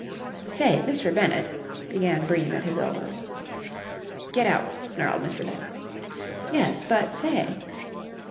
"Say, Mr. Bennett...." began Bream at his elbow. "Get out!" snarled Mr. Bennett. "Yes, but, say...!"